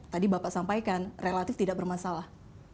tadi bapak sampaikan relatif tidak bermasalah